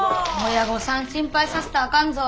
親御さん心配させたらあかんぞ。